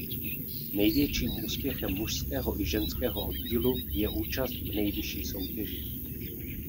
Největším úspěchem mužského i ženského oddílu je účast v nejvyšší soutěži.